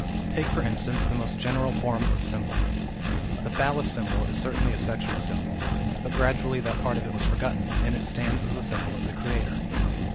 Take for instance the most general form of symbol. The Phallas symbol is certainly a sexual symbol, but gradually that part of it was f orgotteif, and it stands as a symbol of the Creator.